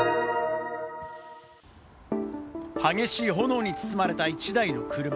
激しい炎に包まれた１台の車。